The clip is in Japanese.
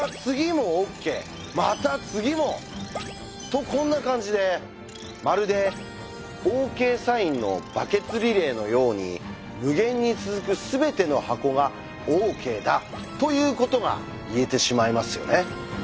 また次も！とこんな感じでまるで「ＯＫサインのバケツリレー」のように無限に続く全ての箱がＯＫだ！ということが言えてしまいますよね。